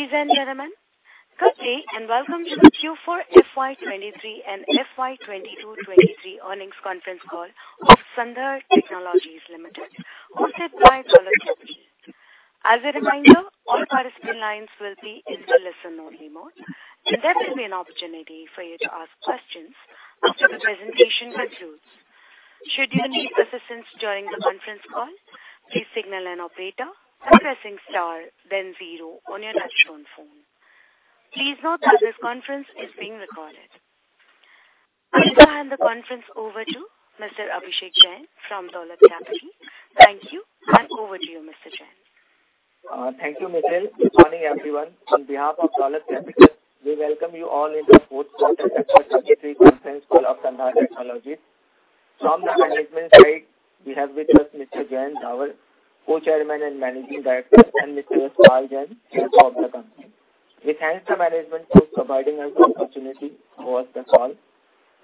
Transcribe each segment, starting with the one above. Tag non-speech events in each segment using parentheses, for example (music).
Ladies and gentlemen, good day, and welcome to the Q4 FY2023 and FY2022-FY2023 Earnings Conference Call of Sandhar Technologies Limited, hosted by Dolat Capital. As a reminder, all participant lines will be in the listen-only mode, and there will be an opportunity for you to ask questions after the presentation concludes. Should you need assistance during the conference call, please signal an operator by pressing star then zero on your touchtone phone. Please note that this conference is being recorded. I will hand the conference over to Mr. Abhishek Davar from Dolat Capital. Thank you, and over to you, Mr. Davar. Thank you, Michelle. Good morning, everyone. On behalf of Dolat Capital, we welcome you all into the fourth quarter FY2023 Conference Call of Sandhar Technologies. From the management side, we have with us Mr. Davar, our Co-Chairman and Managing Director, and Mr. Yashpal Jain, CEO of the company. We thank the management for providing us the opportunity towards the call.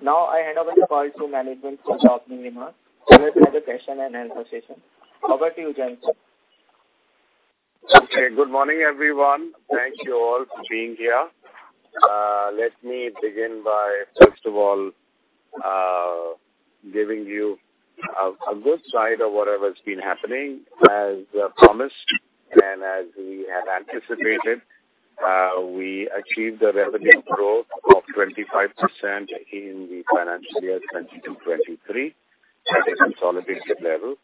Now I hand over the call to management for opening remarks, and then we'll have the question and answer session. Over to you, Davar sir. Okay. Good morning, everyone. Thank you all for being here. Let me begin by, first of all, giving you a good side of what has been happening. As promised, and as we had anticipated, we achieved a revenue growth of 25% in the financial year 2022-2023 at a consolidated level,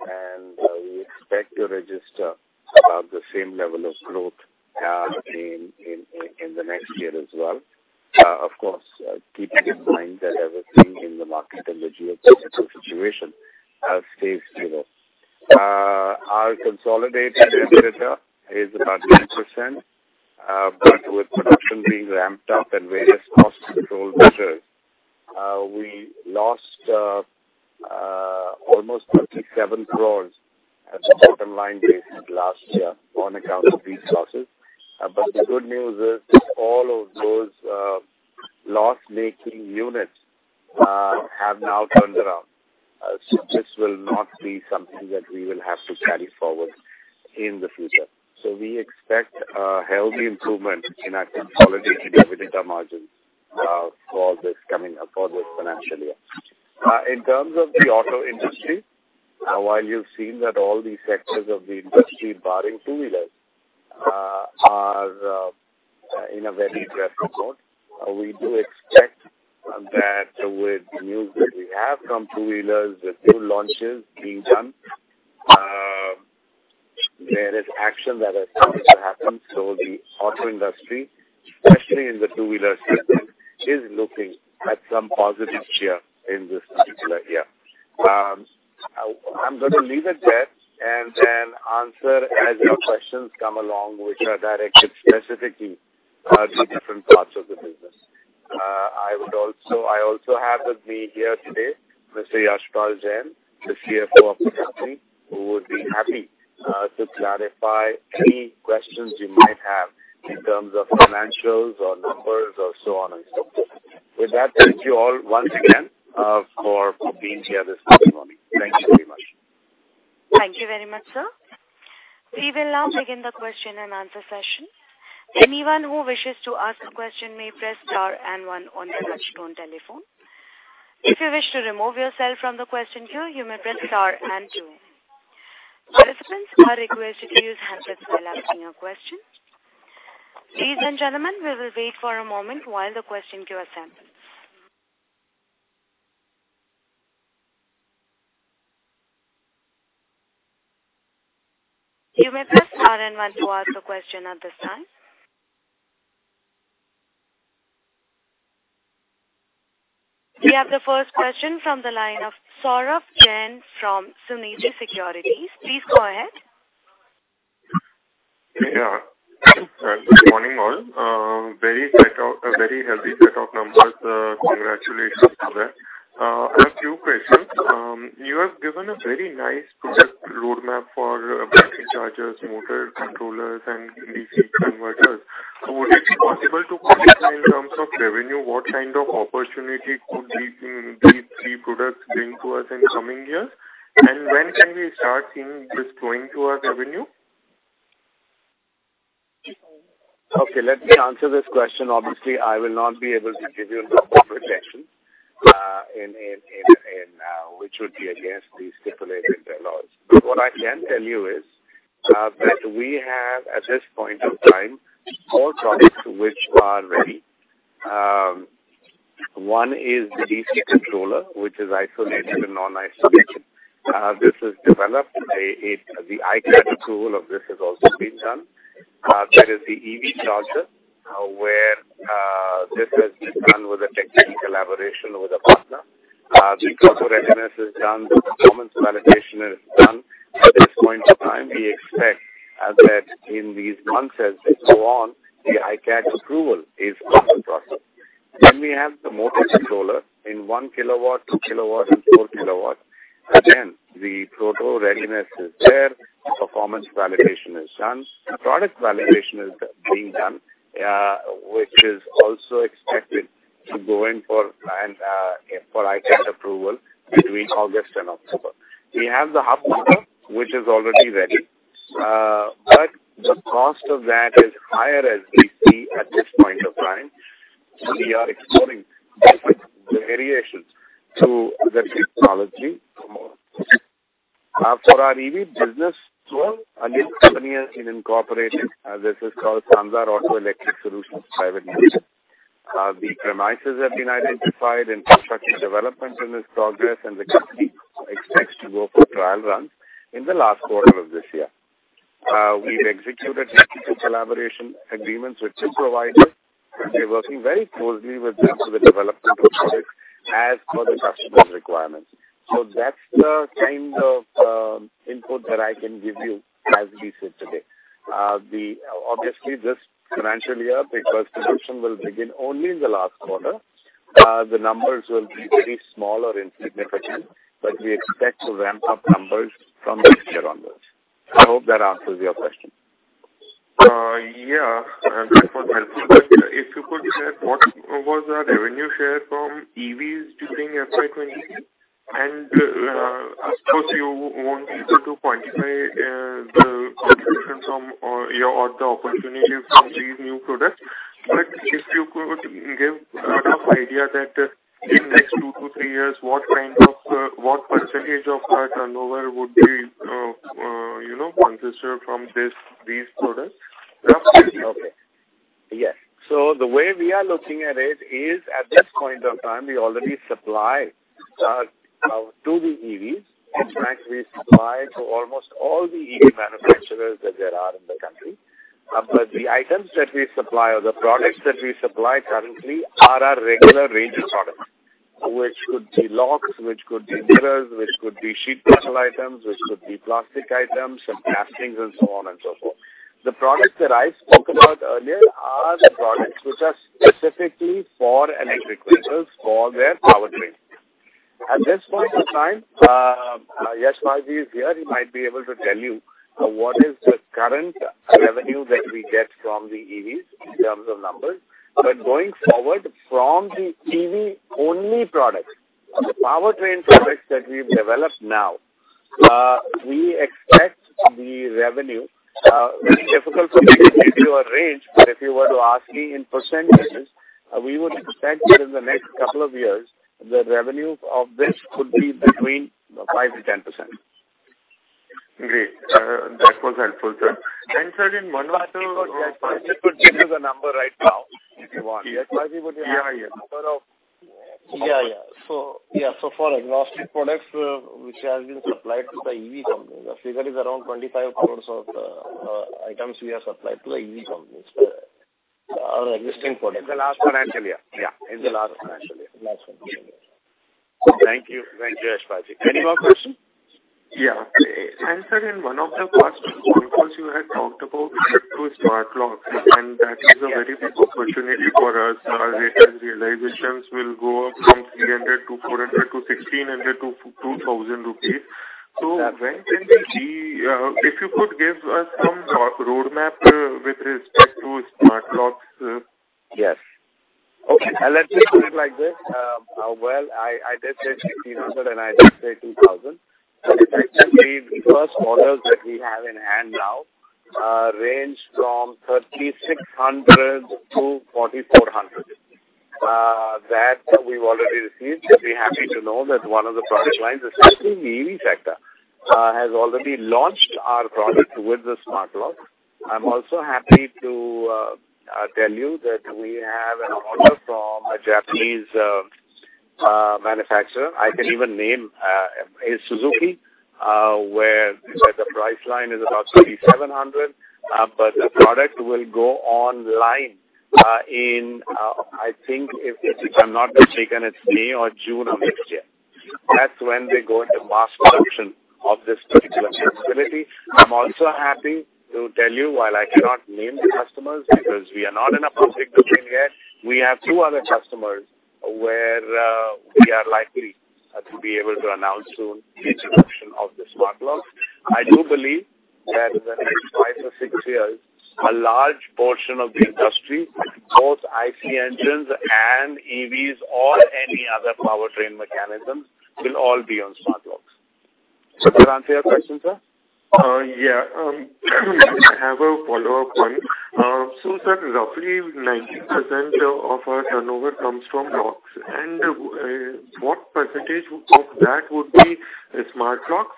and we expect to register about the same level of growth in the next year as well. Of course, keeping in mind that everything in the market and the geopolitical situation has stayed stable. Our consolidated EBITDA is about 10%. With production being ramped up and various cost control measures, we lost almost 37 crores as a bottom line based last year on account of these losses. The good news is, all of those loss-making units have now turned around, so this will not be something that we will have to carry forward in the future. We expect a healthy improvement in our consolidated EBITDA margin for this financial year. In terms of the auto industry, while you've seen that all the sectors of the industry barring two-wheelers are in a very dreadful mode, we do expect that with the news that we have from two-wheelers, with two launches being done, there is action that is going to happen. The auto industry, especially in the two-wheeler segment, is looking at some positive cheer in this particular year. I'm going to leave it there and then answer as your questions come along, which are directed specifically, to different parts of the business. I also have with me here today, Mr. Yashpal Jain, the CFO of the company, who would be happy, to clarify any questions you might have in terms of financials or numbers or so on and so forth. With that, thank you all once again, for being here this morning. Thank you very much. Thank you very much, sir. We will now begin the question and answer session. Anyone who wishes to ask a question may press star and one on your touchtone telephone. If you wish to remove yourself from the question queue, you may press star and two. Participants are requested to use headsets while asking your question. Ladies and gentlemen, we will wait for a moment while the question queue assembles. You may press star and one to ask a question at this time. We have the first question from the line of Saurabh Jain from Sunidhi Securities. Please go ahead. Good morning, all. A very healthy set of numbers. Congratulations for that. I have two questions. You have given a very nice product roadmap for battery chargers, motor controllers, and DC-DC converters. Is it possible to quantify in terms of revenue, what kind of opportunity could these three products bring to us in coming years? When can we start seeing this flowing to our revenue? Okay, let me answer this question. Obviously, I will not be able to give you a proper projection in which would be against the stipulated laws. What I can tell you is that we have, at this point of time, four products which are ready. One is the DC-DC converter, which is isolated and non-isolated. This is developed. The ICAT approval of this has also been done. There is the EV charger, where this has been done with a technical collaboration with a partner. The proto readiness is done, the performance validation is done. At this point in time, we expect that in these months as we go on, the ICAT approval is under process. We have the motor controller in 1 kW, 2 kW, and 4 kW.Again, the proto readiness is there, performance validation is done, product validation is being done, which is also expected to go in for ICAT approval between August and October. We have the hub motor, which is already ready, but the cost of that is higher as we see at this point of time, so we are exploring different variations to the technology for more. For our EV business, well, a new company has been incorporated. This is called Sandhar Auto Electric Solutions Private Limited. The premises have been identified, infrastructure development in this progress, and the company expects to go for trial run in the last quarter of this year. We've executed technical collaboration agreements with two providers. We are working very closely with them for the development of products as per the customer's requirements. That's the kind of input that I can give you as we sit today. Obviously, this financial year, the first production will begin only in the last quarter. The numbers will be very small or insignificant. We expect to ramp up numbers from next year onwards. I hope that answers your question. Yeah, and that was helpful. If you could share, what was our revenue share from EVs during FY2023? Of course, you won't be able to quantify the contributions from, or the opportunity from these new products, but if you could give a rough idea that in next 2-3 years, what kind of, what percentage of our turnover would be, you know, consist from this, these products? Okay. Yes. The way we are looking at it is, at this point of time, we already supply to the EVs. In fact, we supply to almost all the EV manufacturers that there are in the country. The items that we supply or the products that we supply currently are our regular range of products, which could be locks, which could be mirrors, which could be sheet metal items, which could be plastic items and castings and so on and so forth. The products that I spoke about earlier are the products which are specifically for electric vehicles, for their powertrain. At this point of time, Yashpal is here, he might be able to tell you, what is the current revenue that we get from the EVs in terms of numbers. Going forward, from the EV-only products, the powertrain products that we've developed now, we expect the revenue, very difficult to give you a range, but if you were to ask me in percentages, we would expect that in the next couple of years, the revenue of this could be between 5%-10%. Great. That was helpful, sir. Sir, in one way, Yashpal can give you the number right now, if you want. Yashpal, would you like- Yeah, yeah. the number of? Yeah, yeah. Yeah, so for exhausted products, which has been supplied to the EV company, the figure is around 25 crores of items we have supplied to the EV companies, our existing products. In the last financial year? Yeah. In the last financial year. Last one. Thank you. Thank you, Yashpal. Any more questions? Yeah. sir, in one of the past conference, you had talked about keyless smart locks, that is a very big opportunity for us. Our return realizations will go up from 300-400 to 1,600-2,000 rupees. When can we, if you could give us some road map with respect to smart locks? Okay, let's just put it like this. Well, I did say 1,600, I did say 2,000. The first orders that we have in hand now, range from 3,600-4,400 that we've already received. We're happy to know that one of the product lines, especially in the EV sector, has already launched our product with the smart lock. I'm also happy to tell you that we have an order from a Japanese manufacturer. I can even name, is Suzuki, where the price line is about 3,700, but the product will go online in, I think if I'm not mistaken, it's May or June of next year. That's when we go into mass production of this particular sensibility. I'm also happy to tell you, while I cannot name the customers, because we are not in a public domain yet, we have two other customers where we are likely to be able to announce soon the introduction of the smart lock. I do believe that in the next five or six years, a large portion of the industry, both IC engines and EVs or any other powertrain mechanisms, will all be on smart locks. Does that answer your question, sir? Yeah. I have a follow-up one. Sir, roughly 19% of our turnover comes from locks. What percentage of that would be a smart lock?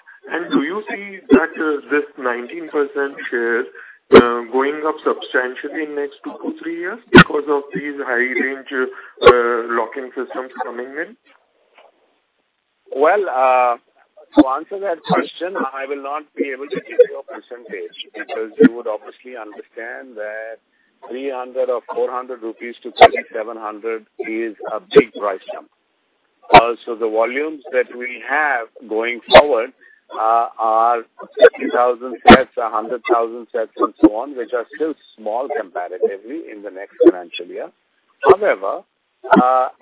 Do you see that this 19% share going up substantially in next 2-3 years because of these high-range locking systems coming in? To answer that question, I will not be able to give you a percentage, because you would obviously understand that 300 or 400-3,700 rupees is a big price jump. The volumes that we have going forward, are 50,000 sets, 100,000 sets, and so on, which are still small comparatively in the next financial year.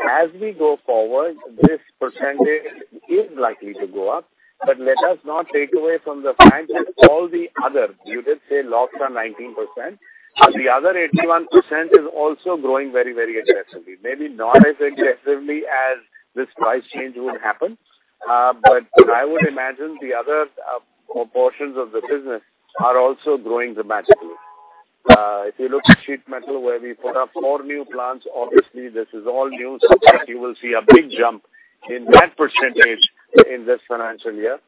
As we go forward, this percentage is likely to go up, but let us not take away from the fact that all the other, you did say locks are 19%. The other 81% is also growing very, very aggressively. Maybe not as aggressively as this price change would happen, but I would imagine the other, proportions of the business are also growing dramatically. If you look at sheet metal, where we put up four new plants, obviously, this is all new, you will see a big jump in that percentage in this financial year.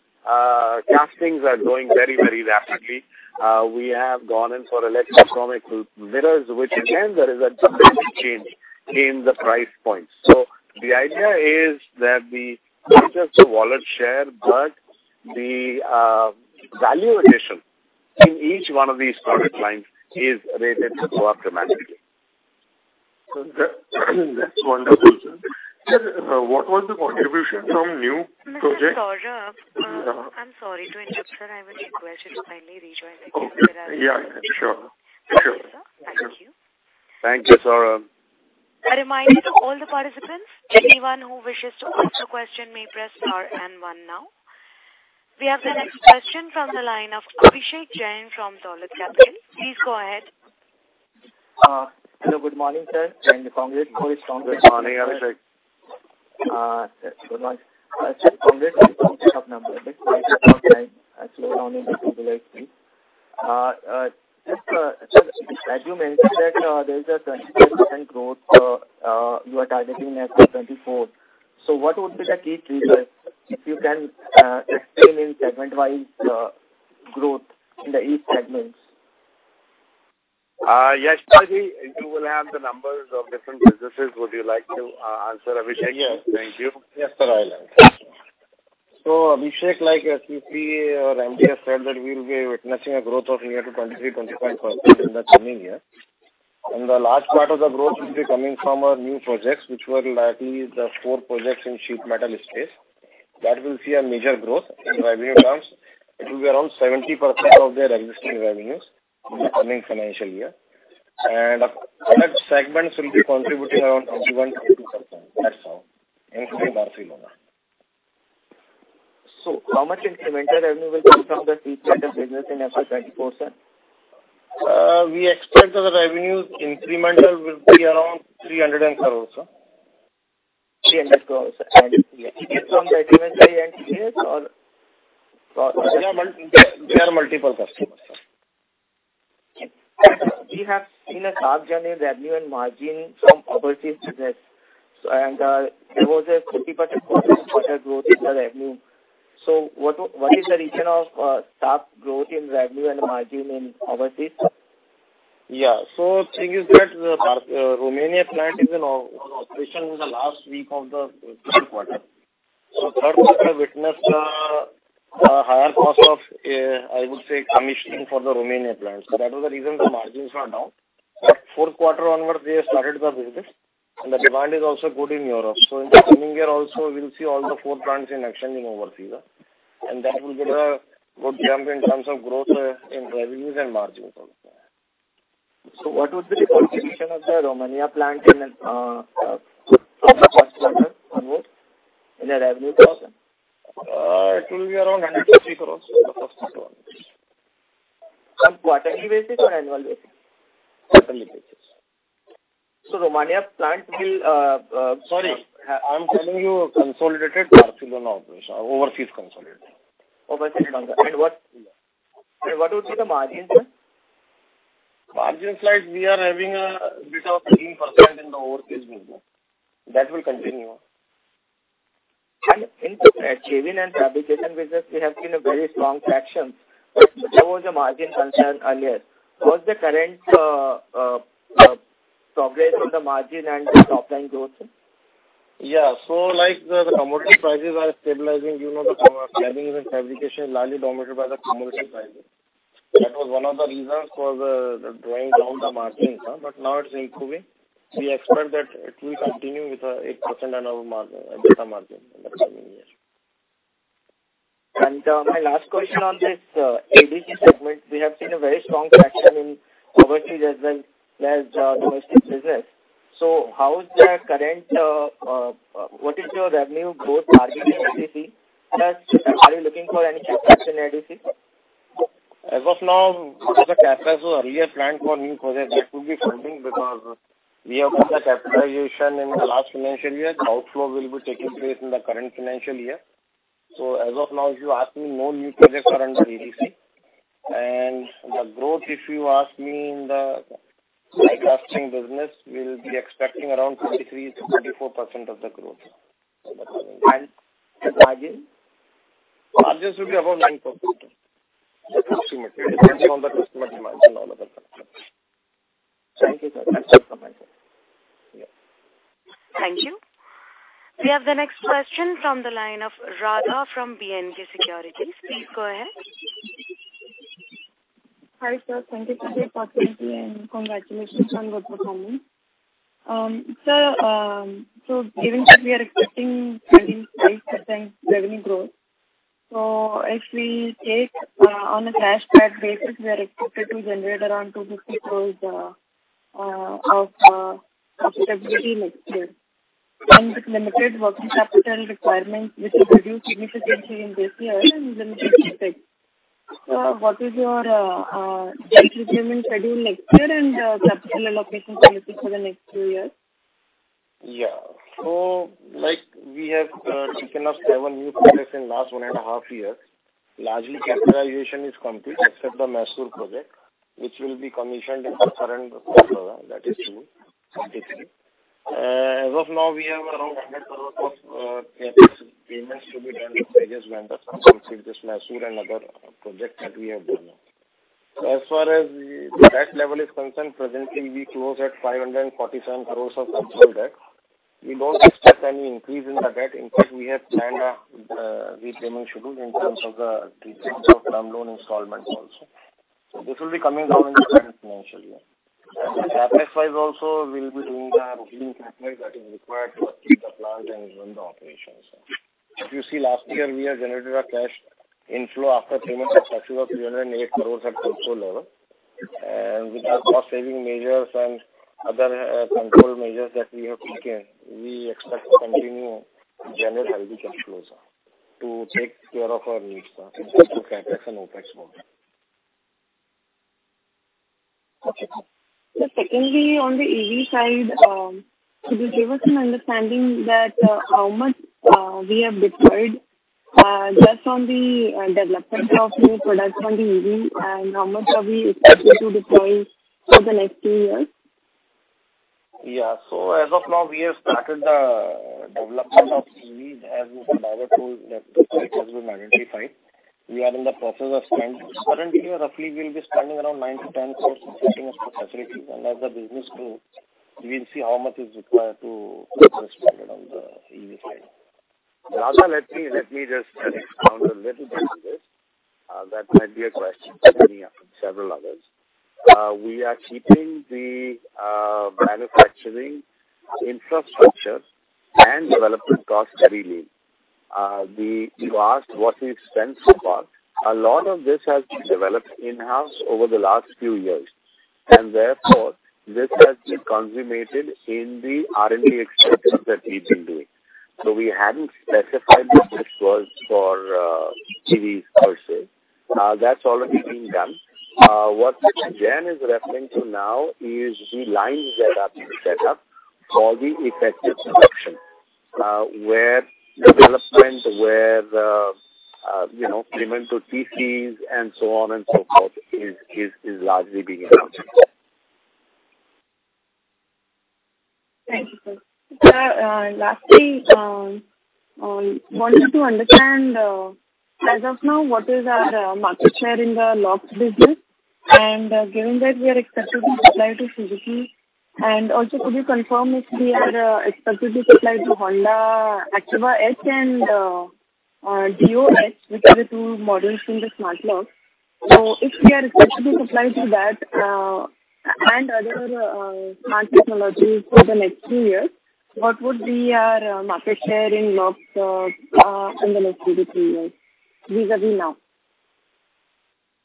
Castings are growing very, very rapidly. We have gone in for electrochromic mirrors, which again, there is a significant change in the price point. The idea is that the, not just the wallet share, but the value addition in each one of these product lines is rated to go up dramatically. That's wonderful, sir. Sir, what was the contribution from new projects? Mr. Saurabh, I'm sorry to interrupt, sir. I have a request to kindly rejoin the queue. Okay. Yeah, sure. Thank you, sir. Thank you. Thank you, Saurabh. A reminder to all the participants, anyone who wishes to ask a question may press star and one now. We have the next question from the line of Abhishek Jain from Dolat Capital. Please go ahead. hello, good morning, sir. Congratulations on the strong-. Good morning, Abhishek. Good morning. Congratulations on the strong number. Just, sir, as you mentioned that, there is a 26% growth, you are targeting FY2024. What would be the key drivers, if you can explain in segment-wise growth in the each segments? Yashpal Jain, you will have the numbers of different businesses. Would you like to answer Abhishek? Yes. Thank you. Yes, sir, I will answer. Abhishek, like, as you see, our MD has said that we will be witnessing a growth of near to 23%-25% in the coming year. The large part of the growth will be coming from our new projects, which were lastly the four projects in sheet metal space. That will see a major growth in revenue terms. It will be around 70% of their existing revenues in the coming financial year. Other segments will be contributing around 21%-22%. That's all, including Barcelona. How much incremental revenue will come from the sheet metal business in FY2024, sir? We expect the revenues incremental will be around 307 crores, sir. 300 crores. It is from the primary end business. There are multiple customers. We have seen a sharp jump in revenue and margin from overseas business. There was a 50% quarter-over-quarter growth in the revenue. What is the reason of sharp growth in revenue and margin in overseas? Yeah. Thing is that, the Romania plant is in operation in the last week of the third quarter. Third quarter witnessed a higher cost of, I would say, commissioning for the Romania plant. That was the reason the margins are down. Fourth quarter onwards, we have started the business, and the demand is also good in Europe. In the coming year also, we'll see all the four plants in extending overseas. That will give a good jump in terms of growth in revenues and margins also. What would be the contribution of the Romania plant in the revenue growth, sir? It will be around INR 150 crore in the first quarter. On quarterly basis or annual basis? Quarterly basis. Romania plant will. Sorry, I'm telling you a consolidated Barcelona operation, overseas consolidated. Overseas, and what would be the margins there? Margins, like, we are having a bit of 13% in the overseas business. That will continue. In the cabling and fabrication business, we have seen a very strong traction towards the margin concern earlier. What's the current progress on the margin and the top line growth, sir? Like the commodity prices are stabilizing, you know, the cabling and fabrication is largely dominated by the commodity prices. That was one of the reasons for the drawing down the margins, sir, but now it's improving. We expect that it will continue with the 8% and our margin, a better margin in the coming year. My last question on this ADC segment, we have seen a very strong traction in overseas as well as domestic business. How is the current, what is your revenue growth margin in ADC? Plus, are you looking for any capacity in ADC? As of now, just the capacity for earlier planned for new projects, that would be something because we have done the capitalization in the last financial year. The outflow will be taking place in the current financial year. As of now, if you ask me, no new projects are under ADC. The growth, if you ask me, in the die-casting business, we'll be expecting around 23%-24% of the growth. The margin? Margins will be above 9%. Depending on the customer demands and all other factors. Thank you, sir. That's all from my side. Thank you. We have the next question from the line of Radha from B&K Securities. Please go ahead. Hi, sir. Thank you for the opportunity, and congratulations on good performance. Sir, given that we are expecting 25% revenue growth, so if we take on a cash back basis, we are expected to generate around 250 crores, of stability next year, and with limited working capital requirements, which will reduce significantly in this year and then in the next year. What is your debt repayment schedule next year and capital allocation policy for the next two years? We have taken up seven new projects in last one and a half years. Largely, capitalization is complete, except the Mysore project, which will be commissioned in the current quarter. That is true, certainly. As of now, we have around 100 crores of payments to be done to various vendors, which is this Mysore and other projects that we have done. As far as the debt level is concerned, presently, we close at 547 crores of absolute debt. We don't expect any increase in the debt. In fact, we have planned a repayment schedule in terms of the term loan installments also. This will be coming down in the current financial year. CapEx-wise also, we'll be doing the working capital that is required to upkeep the plant and run the operations. If you see last year, we have generated a cash inflow after payment of actual 308 crores at console level. With our cost saving measures and other control measures that we have taken, we expect to continue to generate healthy cash flows to take care of our needs in terms of CapEx and OpEx model. Secondly, on the EV side, could you give us an understanding that, how much, we have deployed, just on the, development of new products on the EV? How much are we expecting to deploy for the next two years? Yeah. As of now, we have started the development of EV, as Radha told that the site has been identified. We are in the process of spending. Currently, roughly, we'll be spending around 9 crore-10 crores in setting up the facilities. As the business grows, we will see how much is required to be spent on the EV side. Radha, let me just expand a little bit on this. That might be a question coming up from several others. We are keeping the manufacturing infrastructure and development costs very lean. You asked what the expense was. A lot of this has been developed in-house over the last few years, and therefore, this has been consummated in the R&D expenses that we've been doing. We hadn't specified that this was for TVS per se. That's already been done. What Jain is referring to now is the line setup for the effective production, where the development, where the, you know, payment to PCs and so on and so forth is largely being approached. Thank you, sir. Lastly, wanted to understand, as of now, what is our market share in the locks business? Given that we are expected to supply to Suzuki, also could you confirm if we are expected to supply to Honda Activa H-Smart and Dio, which are the two models in the smart locks? If we are expected to supply to that, and other, smart technologies for the next two years, what would be our market share in locks, in the next 2-3 years vis-a-vis now?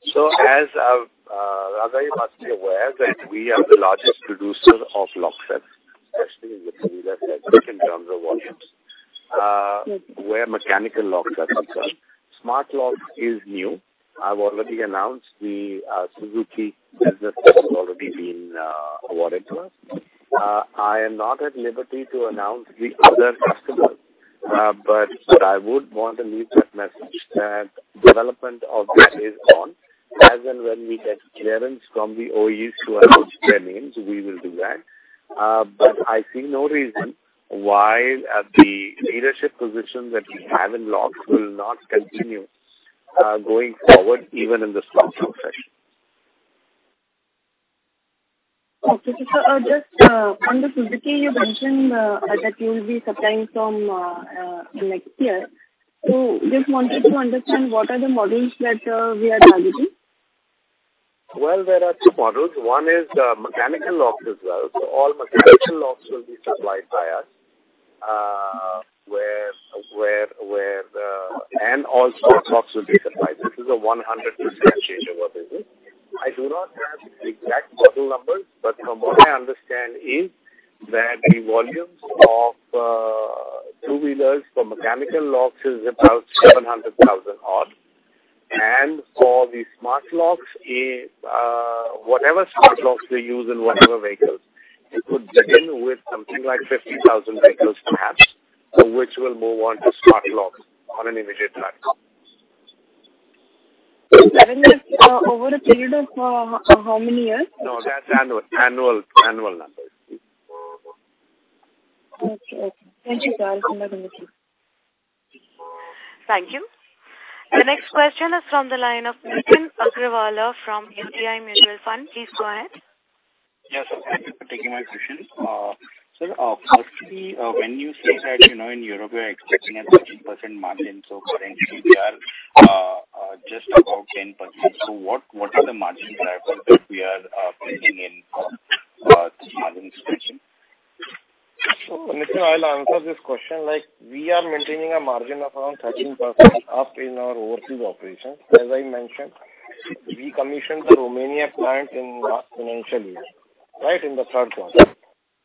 As I've, Radha, you must be aware that we are the largest producer of lock sets, especially in the two-wheeler segment in terms of volumes, where mechanical locks are concerned. Smart locks is new. I've already announced the Suzuki business has already been awarded to us. I am not at liberty to announce the other customers, but I would want to leave that message that development of this is on. As and when we get clearance from the OEs to announce their names, we will do that. I see no reason why the leadership position that we have in locks will not continue going forward, even in the smart lock space. Just on the Suzuki, you mentioned that you'll be supplying from next year. Just wanted to understand, what are the models that we are targeting? Well, there are two models. One is mechanical locks as well. All mechanical locks will be supplied by us, where and all Smart Locks will be supplied. This is a 100% change of our business. I do not have exact model numbers, but from what I understand is that the volumes of two-wheelers for mechanical locks is about 700,000 odd. For the Smart Locks, whatever Smart Locks we use in whatever vehicles, it could begin with something like 50,000 vehicles perhaps, so which will move on to Smart Locks on an immediate platform. That is, over a period of how many years? No, that's annual, annual numbers. Okay. Okay. Thank you, sir. It's been lovely. Thank you. The next question is from the line of Nitin Agarwal from SBI Mutual Fund. Please go ahead. Yes, sir, thank you for taking my question. Sir, firstly, when you say that, you know, in Europe you are expecting a 30% margin, currently we are just about 10%. What is the margin driver that we are thinking in this margin expansion. I'll answer this question. Like, we are maintaining a margin of around 13% up in our overseas operations. As I mentioned, we commissioned the Romania plant in last financial year, right in the third quarter.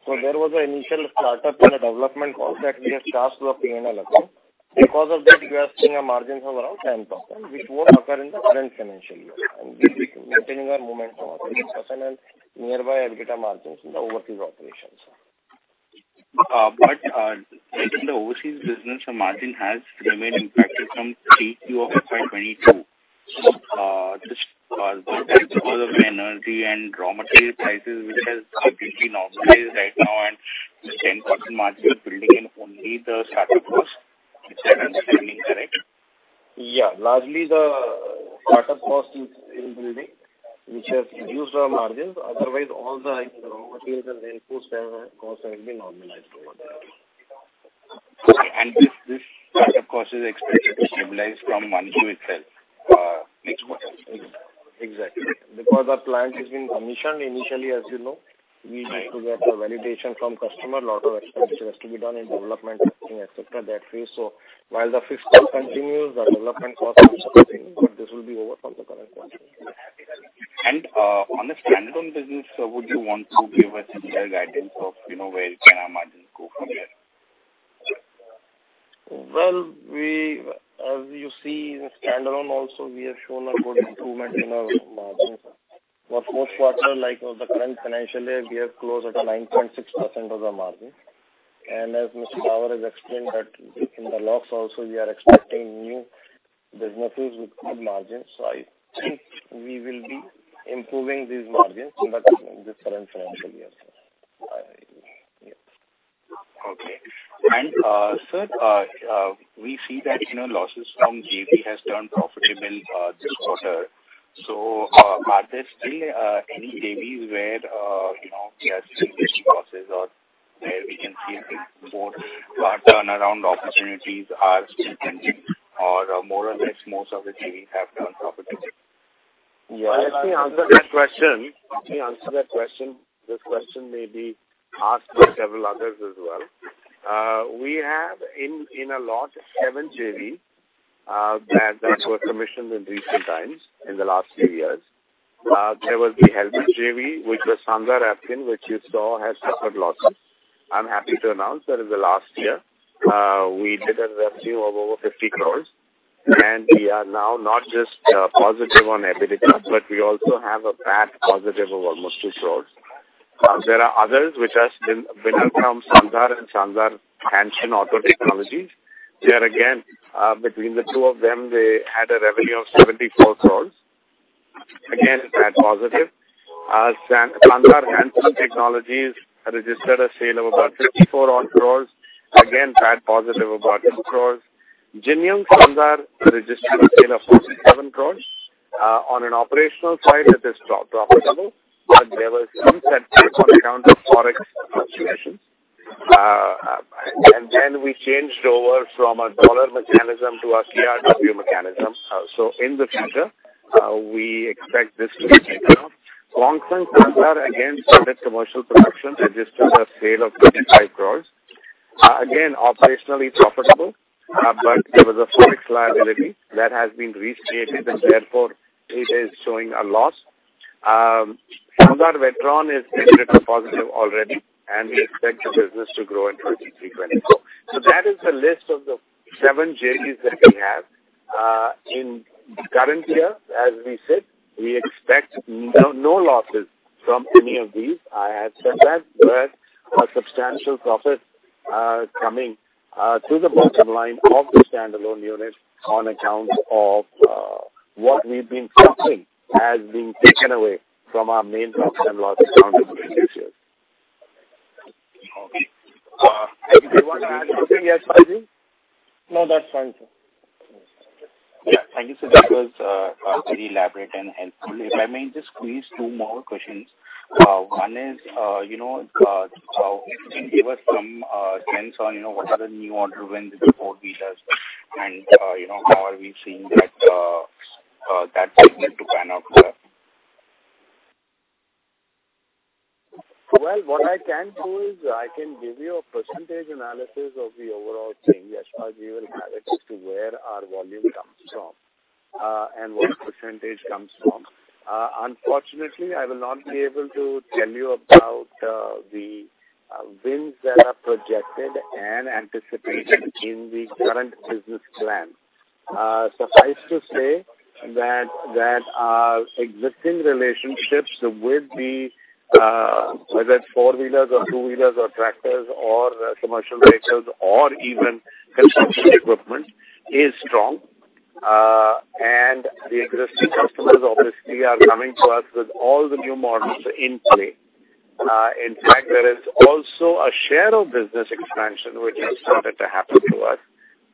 There was an initial startup and a development cost that we have charged to our P&L account. Because of that, we are seeing a margin of around 10%, which won't occur in the current financial year. We'll be maintaining our momentum of 13% and nearby margins in the overseas operations. In the overseas business, the margin has remained impacted from Q3 of 2022. Just because of energy and raw material prices, which has completely normalized right now, and the 10% margin is building in only the startup cost, which I understand is correct? Yeah. Largely, the startup cost is, in building, which has reduced our margins. Otherwise, all the raw materials and input costs have been normalized over there. This startup cost is expected to stabilize from 1Q itself, next quarter? Exactly. Because the plant has been commissioned initially, as you know, we need to get the validation from customer. A lot of expenditure has to be done in development, testing, et cetera, that phase. While the fixed cost continues, the development cost also continues, but this will be over from the current quarter. On the standalone business, would you want to give a clear guidance of, you know, where can our margins go from here? Well, as you see, in the standalone also, we have shown a good improvement in our margins. For fourth quarter, like of the current financial year, we are close at a 9.6% of the margin. As Mr. Davar has explained that in the loss also, we are expecting new businesses with good margins. I think we will be improving these margins in this current financial year. Yes. Okay. sir, we see that, you know, losses from JV has turned profitable this quarter. Are there still any JVs where, you know, we are seeing losses or where we can see more turnaround opportunities are still pending, or more or less, most of the JVs have turned profitable? Yeah. Let me answer that question. This question may be asked by several others as well. We have in a lot, seven JV that were commissioned in recent times, in the last few years. There was the Hella JV, which was Sanganer, which you saw has suffered losses. I'm happy to announce that in the last year, we did a revenue of over 50 crores, and we are now not just positive on EBITDA, but we also have a PAT positive of almost 2 crores. There are others which are Winnercom from Sandhar and Sandhar Han Sung Auto Technologies. There again, between the two of them, they had a revenue of 74 crores. Again, PAT positive. Sandhar Han Shin Technologies registered a sale of about 54 odd crores. Again, PAT positive of about 2 crores. Jinyoung Sandhar registered a sale of 47 crores. On an operational side, it is pro-profitable, but there were some setbacks on account of Forex fluctuations. Then we changed over from a dollar mechanism to a KRW mechanism. In the future, we expect this to be better. Kwangsung Sandhar, started commercial production, registered a sale of 25 crores. Operationally profitable, but there was a Forex liability that has been restated, and therefore, it is showing a loss. Sandhar Whetron is EBITDA positive already, and we expect the business to grow in 2024. That is the list of the seven JVs that we have. In current year, as we said, we expect no losses from any of these. I have said that, but a substantial profit, coming, to the bottom line of the standalone unit on account of, what we've been suffering has been taken away from our main profit and loss account this year. Okay. Do you want to add something, Yashpal Jain? No, that's fine, sir. Yeah. Thank you, sir. That was pretty elaborate and helpful. If I may just squeeze two more questions. One is, you know, can you give us some trends on, you know, what are the new order wins with the four-wheelers? You know, how are we seeing that segment to pan out? Well, what I can do is I can give you a percentage analysis of the overall thing. Yashpal Jain will add it to where our volume comes from and what percentage comes from. Unfortunately, I will not be able to tell you about the wins that are projected and anticipated in the current business plan. Suffice to say that our existing relationships with the whether it's four-wheelers or two-wheelers or tractors or commercial vehicles or even construction equipment, is strong. The existing customers obviously are coming to us with all the new models in play. In fact, there is also a share of business expansion which has started to happen to us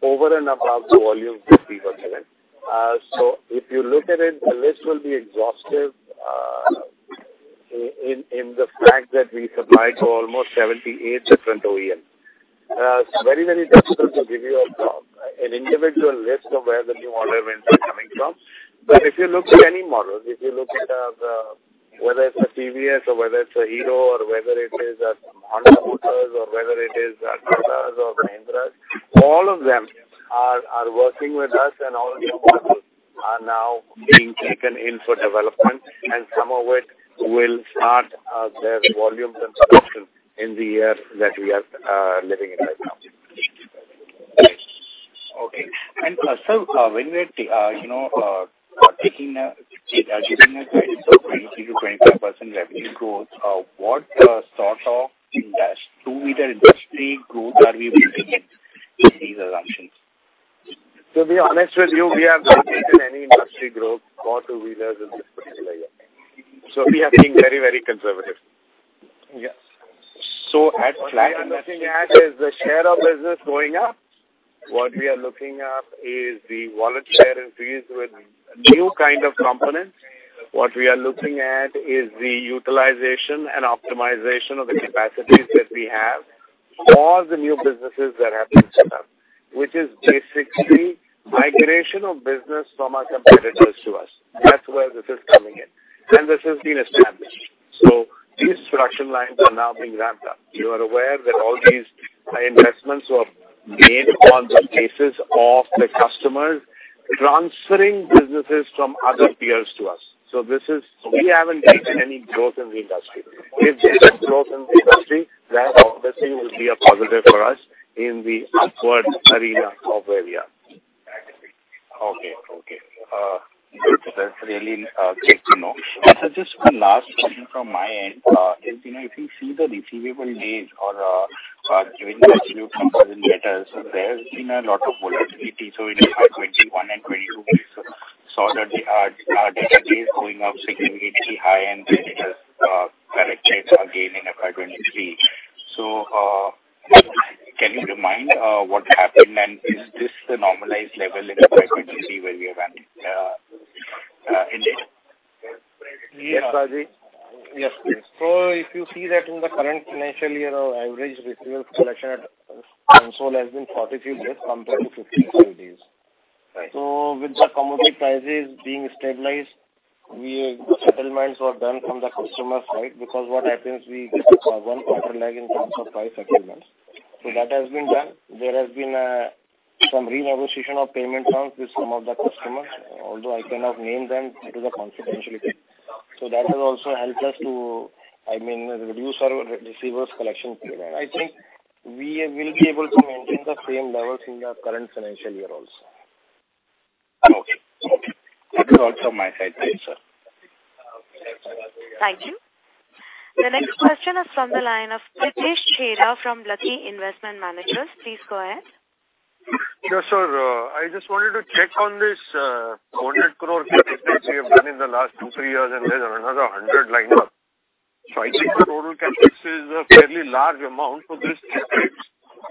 over and above the volume 50%.If you look at it, the list will be exhaustive, in the fact that we supply to almost 78 different OEMs. It's very, very difficult to give you an individual list of where the new order wins are coming from. If you look at any model, if you look at the, whether it's a TVS or whether it's a Hero, or whether it is a Honda Motor, or whether it is a Toyota's or Mahindra's, all of them are working with us, and all new models are now being taken in for development, and some of it will start their volumes and production in the year that we are living in right now. Okay. Sir, when we are, you know, taking a 20%-25% revenue growth, what sort of industry, two-wheeler industry growth are we building in these assumptions? To be honest with you, we have not taken any industry growth for two-wheelers in this particular year. We are being very, very conservative. Yes. at What we are looking at is the share of business going up. What we are looking at is the wallet share increase with new kind of components. What we are looking at is the utilization and optimization of the capacities that we have. All the new businesses that have been set up, which is basically migration of business from our competitors to us. That's where this is coming in, and this has been established. These production lines are now being ramped up. You are aware that all these investments were made on the basis of the customers transferring businesses from other peers to us. This is. We haven't taken any growth in the industry. If there is growth in the industry, that obviously will be a positive for us in the upward arena of where we are. Okay. Okay. That's really great to know. Just one last question from my end, is, you know, if you see the receivable days or, given the absolute numbers in letters, there's been a lot of volatility. In our 2021 and 2022 days, the, our data days going up significantly high, and then it has corrected again in our 2023. Can you remind what happened, and is this the normalized level in the 2023 where we are running in it? Yes, Rajeev. Yes, please. If you see that in the current financial year, our average receivable collection at console has been 43 days compared to 52 days. Right. With the commodity prices being stabilized, we settlements were done from the customer side, because what happens, we get one quarter lag in terms of price settlements. That has been done. There has been some renegotiation of payment terms with some of the customers, although I cannot name them due to the confidentiality. That has also helped us to, I mean, reduce our receivables collection period. I think we will be able to maintain the same levels in the current financial year also. Okay. Okay. That is also my side, sir. Thank you. The next question is from the line of Pritesh Chheda from Lucky Investment Managers. Please go ahead. Yes, sir. I just wanted to check on this, 100 crore business you have done in the last two, three years and there's another 100 crore line up. I think the total CapEx is a fairly large amount for this.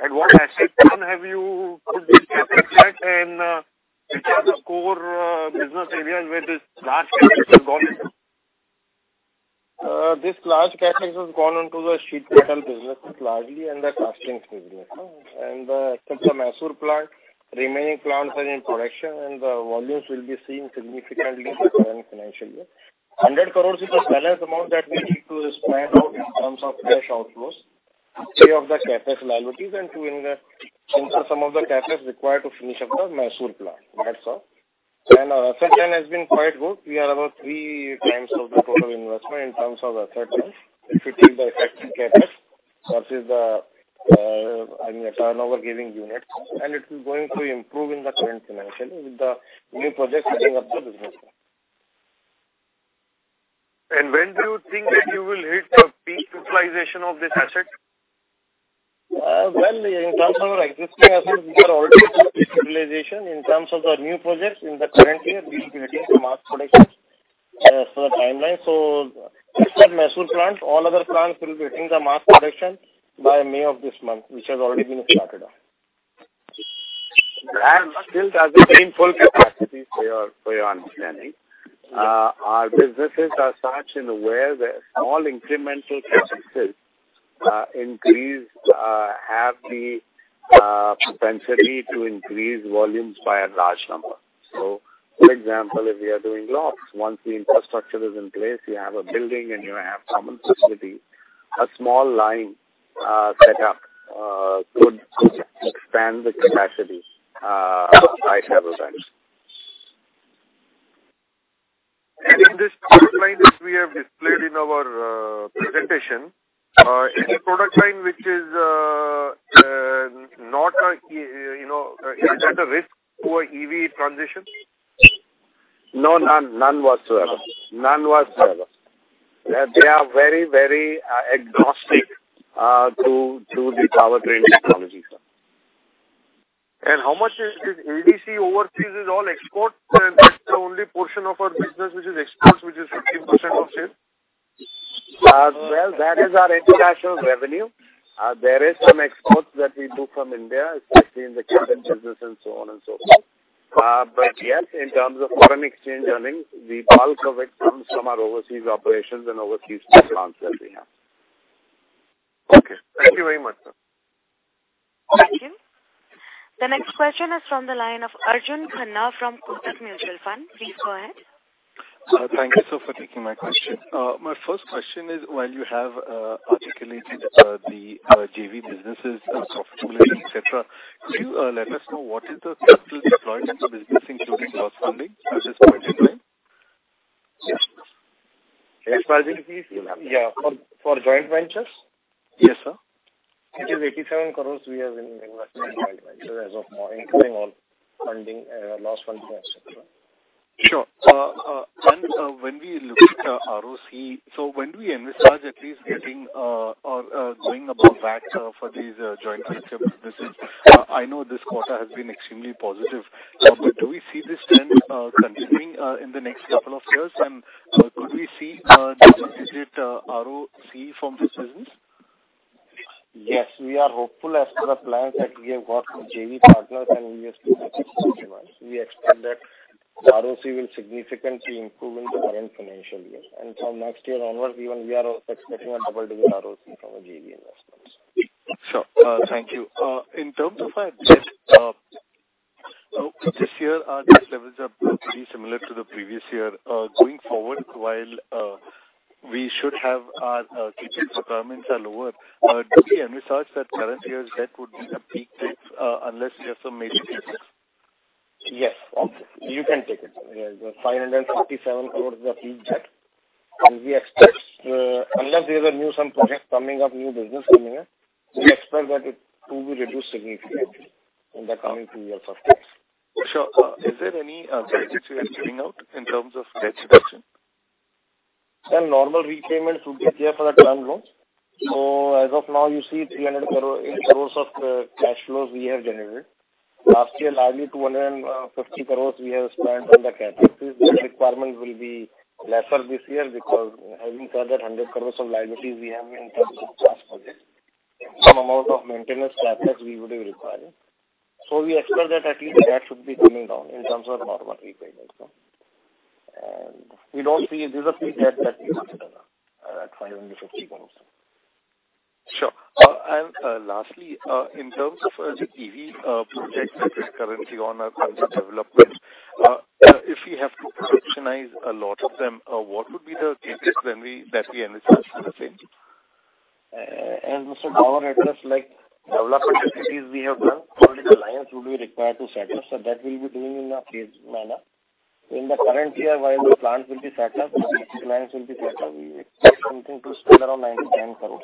At what asset run have you put this CapEx at, and, which are the core, business areas where this large CapEx has gone into? This large CapEx has gone into the sheet metal business largely and the casting business. Except the Mysore plant, remaining plants are in production, and the volumes will be seen significantly in the current financial year. 100 crore is the balance amount that we need to spend out in terms of cash outflows, three of the CapEx liabilities and two in some of the CapEx required to finish up the Mysore plant. That's all. Our asset chain has been quite good. We are about 3x of the total investment in terms of asset chain. If you take the effective CapEx versus the, I mean, the turnover giving units, it is going to improve in the current financial year with the new projects starting up the business. When do you think that you will hit the peak utilization of this asset? Well, in terms of our existing assets, we are already at peak utilization. In terms of the new projects, in the current year, we will be getting to mass production, so the timeline. Except Mysore plant, all other plants will be hitting the mass production by May of this month, which has already been started off. still does it in full capacity for your understanding. Our businesses are such in a way that small incremental CapExes increase have the propensity to increase volumes by a large number. For example, if we are doing lofts, once the infrastructure is in place, you have a building and you have common facility, a small line set up could expand the capacity by several times. In this line, which we have displayed in our presentation, any product line which is not, you know, is at a risk to a EV transition? No, none. None whatsoever. None whatsoever. They are very agnostic to the powertrain technology, sir. How much is this ADC overseas is all exports, and that's the only portion of our business, which is exports, which is 15% of sales? Well, that is our international revenue. There is some exports that we do from India, especially in the current business and so on and so forth. Yes, in terms of foreign exchange earnings, the bulk of it comes from our overseas operations and overseas plants that we have. Okay, thank you very much, sir. Thank you. The next question is from the line of Arjun Khanna from Kotak Mutual Fund. Please go ahead. Thank you, sir, for taking my question. My first question is, while you have articulated the JV businesses opportunity, et cetera, could you let us know what is the capital deployed in the business, including loss funding, which is mentioned in? Yes. Capital fees? Yeah, for joint ventures. Yes, sir. It is 87 crores we have invested in joint ventures as of now, including all funding, loss funding, et cetera. Sure. When we look at ROC, so when do we envisage at least getting or going above that for these joint venture business? I know this quarter has been extremely positive. Do we see this trend continuing in the next couple of years? Could we see significant ROC from this business? Yes, we are hopeful as per the plans that we have got from JV partners. We expect that the ROC will significantly improve in the current financial year. From next year onwards, we are also expecting a double-digit ROC from our JV investments. Sure. Thank you. In terms of our debt, this year, our debt levels are pretty similar to the previous year. Going forward, while we should have our capital requirements are lower, do we envisage that current year's debt would be the peak debt, unless we have some major cases? Yes. You can take it. Yeah, the 557 crores of peak debt. We expect, unless there are new some projects coming up, new business coming up, we expect that it to be reduced significantly in the coming two years of course. Sure. Is there any projects you are getting out in terms of debt reduction? Some normal repayments will be there for the term loans. As of now, you see 300 crore in crores of cash flows we have generated. Last year, largely 250 crores we have spent on the CapEx. The requirement will be lesser this year because having said that, 100 crores of liabilities we have in terms of cash budget. Some amount of maintenance capital we would be requiring. We expect that at least the debt should be coming down in terms of normal repayments. We don't see it as a peak debt that we considered at INR 550 crores. Sure. Lastly, in terms of, the EV, projects that is currently under development, if we have to scrutinized a lot of them, what would be the CapEx that we envisage for the same? Our address like development cities we have done, all the lines will be required to set up, so that we'll be doing in a phased manner. In the current year, while the plants will be set up, each plants will be set up, we expect something to spend around 90 crores, 10 crores.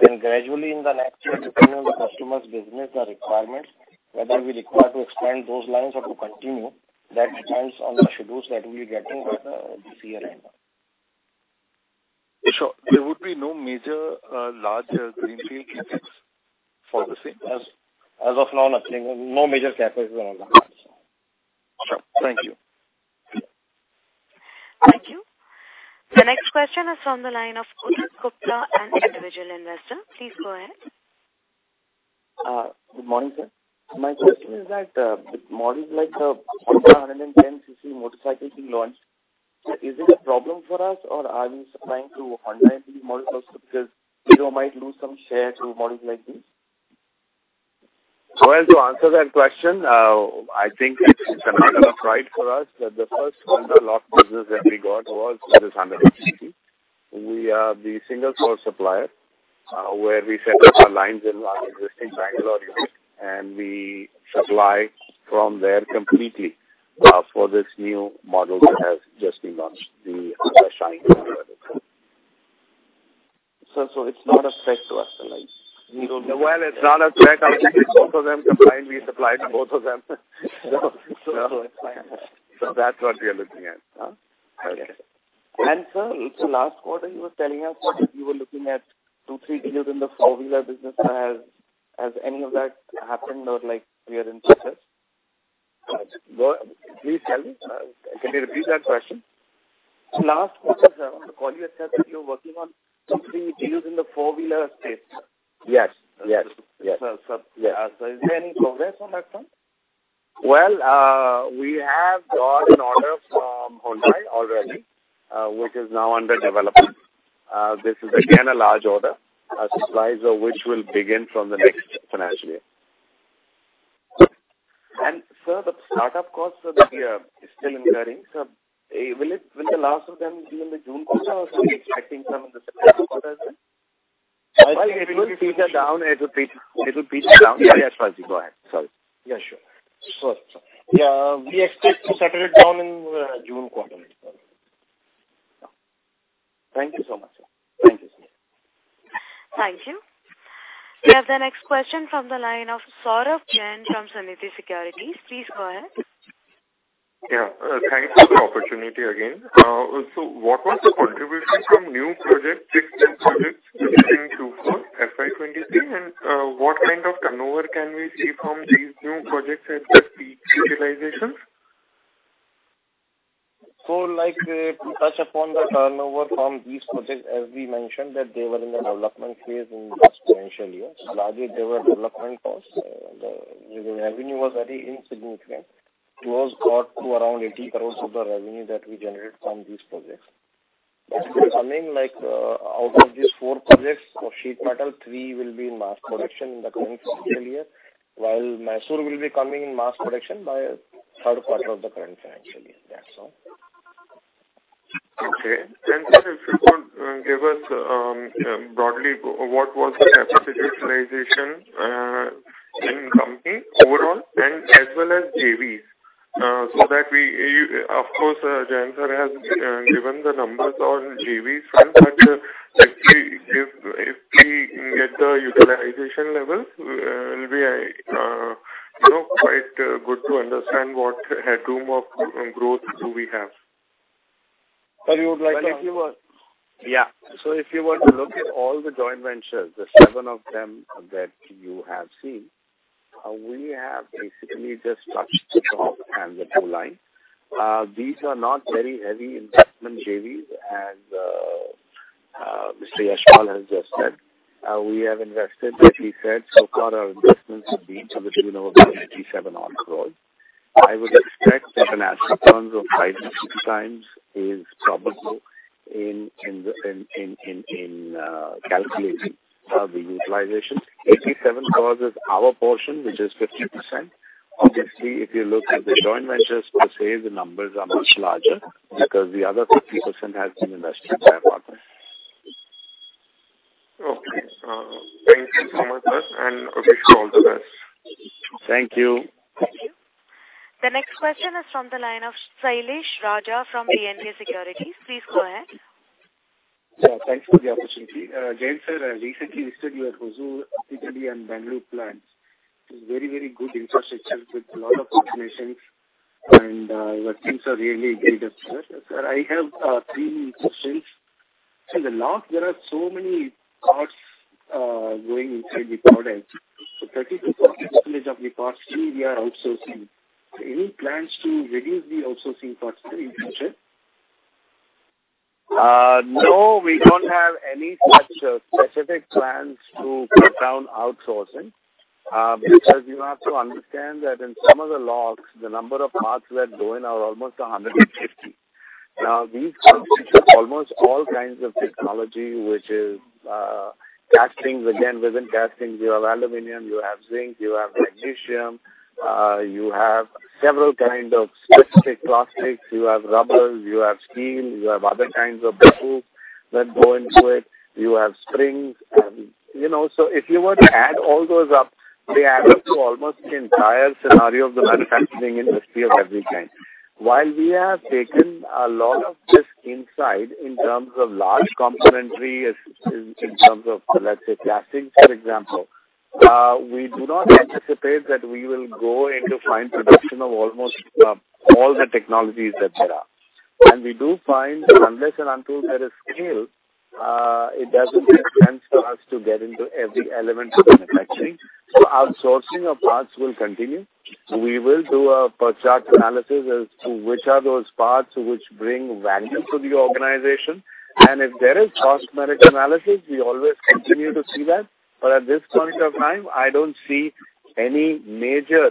Then gradually in the next year, depending on the customer's business, the requirements, whether we require to expand those lines or to continue, that depends on the schedules that we are getting by this year end. Sure. There would be no major, large greenfield CapEx for the same? As of now, nothing. No major CapEx around the parts. Sure. Thank you. Thank you. The next question is from the line of Kunal Gupta, an individual investor. Please go ahead. Good morning, sir. My question is that with models like the Honda 110 cc motorcycle being launched, is it a problem for us, or are we supplying to Honda these models also? We might lose some share to models like this. Well, to answer that question, I think it's a matter of pride for us that the first Honda lock business that we got was this 110 cc. We are the single source supplier, where we set up our lines in our existing Bangalore unit, and we supply from there completely, for this new model that has just been launched, the Shine. It's not a threat to us then, I guess. Well, it's not a threat. Both of them supplying, we supply to both of them. It's fine. That's what we are looking at. I get it. Sir, last quarter you were telling us that you were looking at 2-3 deals in the four-wheeler business. Has any of that happened or, like, we are in process? What? Please tell me. Can you repeat that question? Last quarter, sir, on the call you had said that you were working on 2-3 deals in the four-wheeler space. Yes. Yes. Yes. Is there any progress on that front? Well, we have got an order from Hyundai already, which is now under development. This is again, a large order, a supplier which will begin from the next financial year. Sir, the start-up costs, so that we are still incurring, sir, will the last of them be in the June quarter, or are we expecting some in the quarter as well? It will be down. It will be down. Yeah, Yashpal, go ahead. Sorry. Yeah, sure. Yeah, we expect to settle it down in June quarter. Thank you so much, sir. Thank you, sir. Thank you. We have the next question from the line of Saurabh Jain from Sunidhi Securities. Please go ahead. Yeah. Thank you for the opportunity again. What was the contribution from new projects, six new projects between two for FY2023? What kind of turnover can we see from these new projects at the peak utilizations? Like to touch upon the turnover from these projects, as we mentioned, that they were in the development phase in the financial year. Largely, they were development costs. The revenue was very insignificant. It was got to around 80 crore of the revenue that we generated from these projects. Coming like, out of these four projects of sheet metal, three will be in mass production in the current fiscal year, while Mysore will be coming in mass production by third quarter of the current financial year. That's all. Okay. Sir, if you could give us broadly, what was the capacity utilization in company overall and as well as JVs? So that you of course, Jayant sir has given the numbers on JV front, but actually, if we get the utilization level, it will be, you know, quite good to understand what headroom of growth do we have. Sir, you would like. Well. Yeah. If you were to look at all the joint ventures, the seven of them that you have seen, we have basically just touched the top and the two line. These are not very heavy investment JVs as Mr. Yashpal has just said. We have invested, as he said, so far our investments have been to the tune of INR 87 odd crores. I would expect that an add returns of 5x to 6x is probable in the calculating the utilization. INR 87 crores is our portion, which is 50%. Obviously, if you look at the joint ventures per se, the numbers are much larger because the other 50% has been invested by our partners. Okay. Thank you so much, sir, and wish you all the best. Thank you. Thank you. The next question is from the line of Sailesh Raja from B&K Securities. Please go ahead. Thanks for the opportunity. Jayant sir, I recently visited your Hosur, Tigadi, and Bangalore plants. It's very, very good infrastructure with a lot of automations, and your things are really great up there. Sir, I have three questions. In the lock, there are so many parts going inside the product. 30%-40% of the parts we are outsourcing. Any plans to reduce the outsourcing parts in the future? No, we don't have any such specific plans to cut down outsourcing, because you have to understand that in some of the locks, the number of parts that go in are almost 150. Now, these constitute almost all kinds of technology, which is, castings. Again, within castings, you have aluminum, you have zinc, you have magnesium, you have several kind of specific plastics, you have rubbers, you have steel, you have other kinds of materials that go into it, you have springs. You know, if you were to add all those up, they add up to almost the entire scenario of the manufacturing industry of every kind. While we have taken a lot of this inside in terms of large componentry, in terms of, let's say, castings, for example, we do not anticipate that we will go into fine production of almost all the technologies that there are. We do find unless and until there is scale, it doesn't make sense for us to get into every element of manufacturing. Outsourcing of parts will continue. We will do a per chart analysis as to which are those parts which bring value to the organization, and if there is cost merit analysis, we always continue to see that. At this point of time, I don't see any major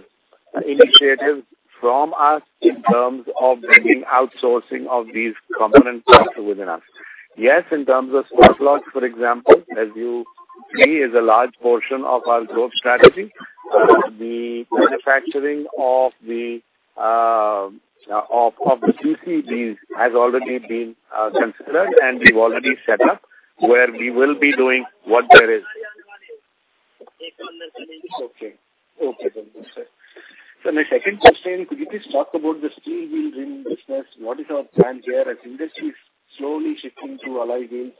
initiatives from us in terms of bringing outsourcing of these component parts within us. Yes, in terms of smart locks, for example, as you see, is a large portion of our growth strategy. The manufacturing of the PCBs has already been considered. We've already set up where we will be doing what there is. Okay. Okay, then, sir. My second question, could you please talk about the steel wheel rim business? What is our plan here as industry is slowly shifting to alloy wheels?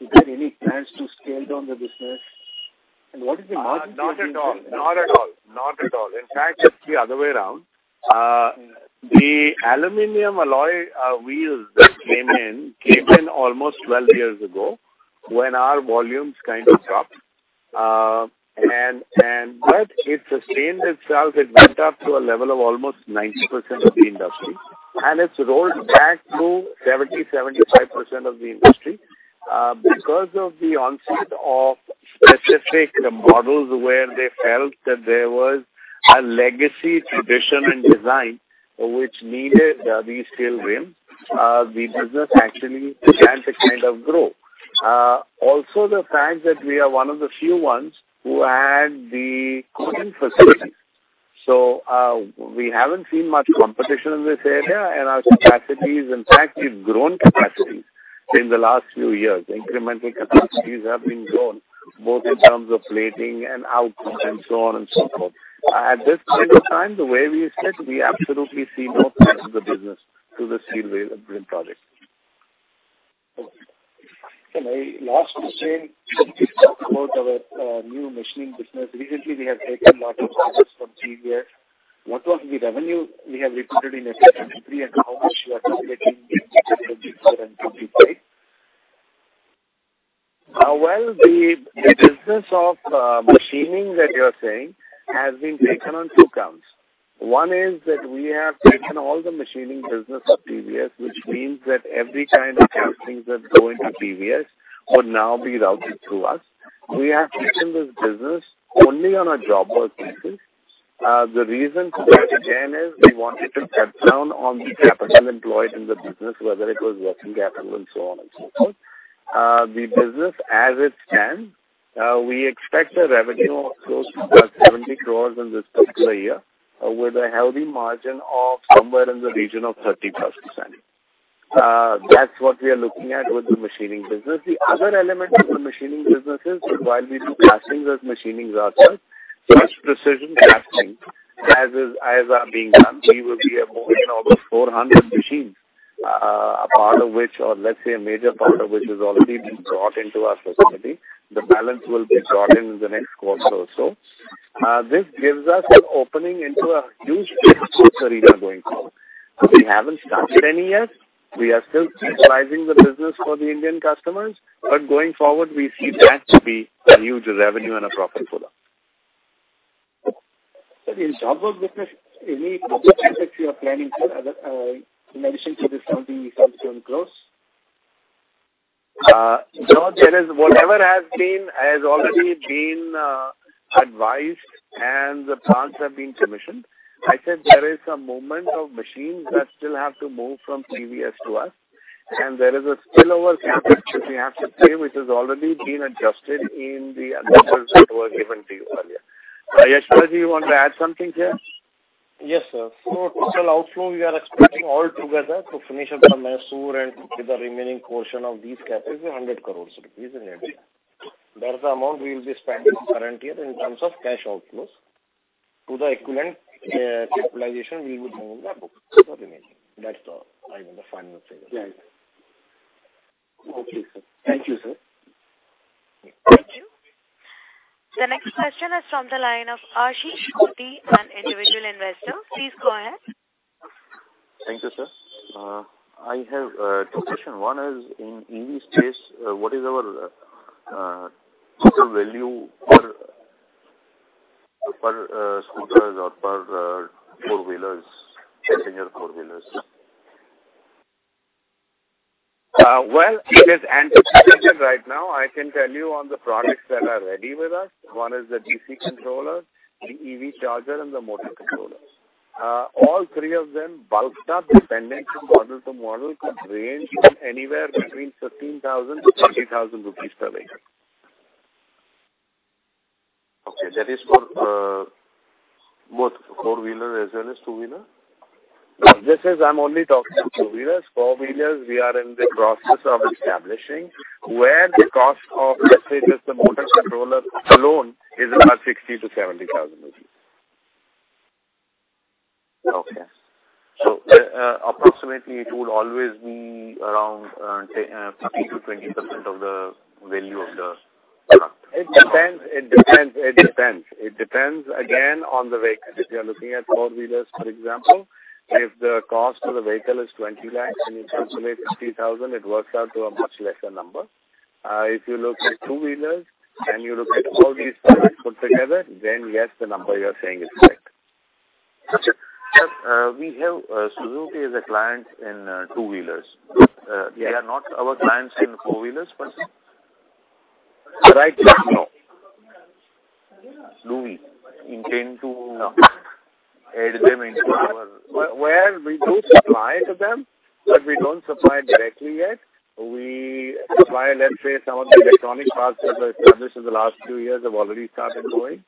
Is there any plans to scale down the business? What is the margin- Not at all. Not at all. Not at all. In fact, it's the other way around. The aluminum alloy wheels that came in almost 12 years ago, when our volumes kind of dropped. But it sustained itself. It went up to a level of almost 90% of the industry, and it's rolled back to 70%-75% of the industry. Because of the onset of specific models, where they felt that there was a legacy, tradition, and design which needed these steel rims, the business actually began to kind of grow. Also the fact that we are one of the few ones who had the coating facilities. We haven't seen much competition in this area, and our capacity is... In fact, we've grown capacity in the last few years. Incremental capacities have been grown, both in terms of plating and output and so on and so forth. At this point of time, the way we said, we absolutely see no parts of the business to the steel wheel rim project. My last question, could you talk about our new machining business? Recently, we have taken lot of business from GPS. What was the revenue we have recorded in the year 2023, and how much we are calculating? Well, the business of machining that you're saying has been taken on two counts. One is that we have taken all the machining business of SCL, which means that every kind of castings that go into SCL would now be routed through us. We have taken this business only on a job work basis. The reason to that, again, is we wanted to cut down on the capital employed in the business, whether it was working capital and so on and so forth. The business as it stands, we expect a revenue of close to 70 crores in this particular year, with a healthy margin of somewhere in the region of 30%+. That's what we are looking at with the machining business. The other element of the machining business is that while we do castings as machining ourselves, such precision casting as are being done, we will be acquiring almost 400 machines, a part of which or let's say a major part of which has already been brought into our facility. The balance will be brought in in the next quarter or so. This gives us an opening into a huge space that we are going for. We haven't started any yet. We are still pricing the business for the Indian customers, but going forward, we see that to be a huge revenue and a profit for us. Sir, in job work business, any other projects you are planning for other, in addition to this INR 71 crores? No, there is whatever has already been advised and the plants have been commissioned. I said there is a movement of machines that still have to move from SCL to us, and there is a spillover capacity we have to pay, which has already been adjusted in the numbers that were given to you earlier. Yashpal Jain, you want to add something here? Yes, sir. Total outflow, we are expecting all together to finish up the Mysore and with the remaining portion of these capacities, 100 crores rupees in India. That's the amount we will be spending current year in terms of cash outflows. To the equivalent capitalization, we will move the books for the remaining. That's all. I mean, the final figure. Yeah. Okay, sir. Thank you, sir. Thank you. The next question is from the line of Ashish Gautam, an individual investor. Please go ahead. Thank you, sir. I have two question. One is, in EV space, what is our total value per scooters or per four-wheelers, passenger four-wheelers? Well, it is anti-situation right now. I can tell you on the products that are ready with us, one is the DC-DC converter, the EV charger, and the motor controllers. All three of them bulked up, depending from model to model, could range from anywhere between 13,000-20,000 rupees per vehicle. Okay. That is for both four-wheeler as well as two-wheeler? I'm only talking two-wheelers. Four-wheelers, we are in the process of establishing, where the cost of, let's say, just the motor controller alone is around 60,000-70,000 rupees. Okay. Approximately it would always be around, say, 15%-20% of the value of the product? It depends again, on the vehicle. If you are looking at four-wheelers, for example, if the cost of the vehicle is 20 lakhs and you calculate 60,000, it works out to a much lesser number. If you look at two-wheelers and you look at all these products put together, then, yes, the number you're saying is correct. Got you. We have Suzuki is a client in two-wheelers. They are not our clients in four-wheelers, but...? Right now, no. Do we intend? No. add them into our- Well, well, we do supply to them, but we don't supply directly yet. We supply, let's say, some of the electronic parts that were established in the last two years have already started going.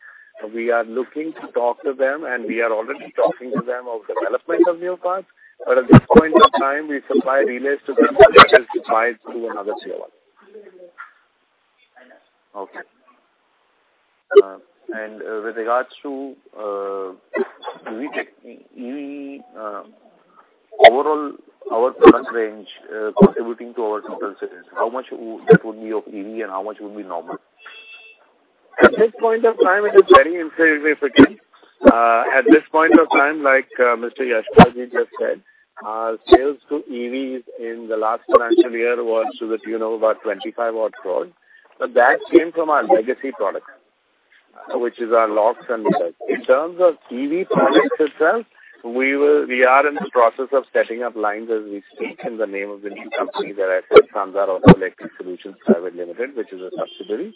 We are looking to talk to them, and we are already talking to them of development of new parts, but at this point of time, we supply relays to them, which is supplied through another Tier 1. Okay. With regards to, do we take EV, overall, our product range, contributing to our total sales, that would be of EV and how much would be normal? At this point of time, it is very insignificant. At this point of time, like Mr. Yashpal Jain just said, our sales to EVs in the last financial year was to the tune of about 25 odd crores. That came from our legacy products, which is our locks and (inaudible) resorts. In terms of EV products itself, we are in the process of setting up lines, as we speak, in the name of the new company that I said, Sandhar Auto Electric Solutions Private Limited, which is a subsidiary.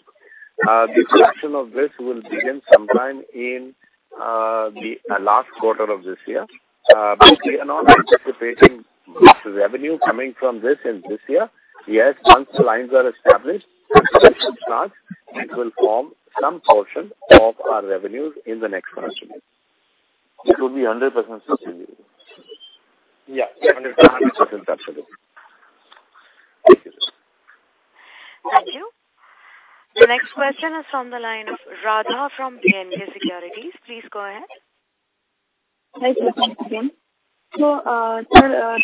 The production of this will begin sometime in the last quarter of this year. We are not anticipating revenue coming from this in this year. Yes, once the lines are established, production starts, it will form some portion of our revenues in the next financial year. It will be 100% to EV? Yeah, 100%. 100%, absolutely. Thank you, sir. Thank you. The next question is from the line of Radha from B&K Securities. Please go ahead. Hi, welcome again. sir,